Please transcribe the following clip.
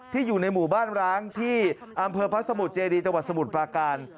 อยู่ในหมู่บ้านร้างที่อำเภอพระสมุทรเจดีจังหวัดสมุทรปราการ